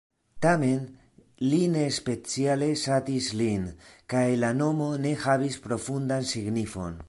Tamen, li ne speciale ŝatis lin kaj la nomo ne havis profundan signifon.